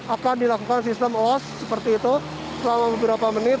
akan dilakukan sistem os seperti itu selama beberapa menit